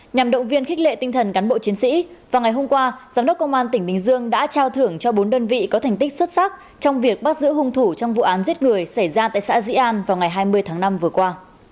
nhằm động viên khích lệ tinh thần cán bộ chiến sĩ vào ngày hôm qua giám đốc công an tỉnh bình dương đã trao thưởng cho bốn đơn vị có thành tích xuất sắc trong việc bắt giữ hung thủ trong vụ án giết người xảy ra tại xã dĩ an vào ngày hai mươi tháng năm vừa qua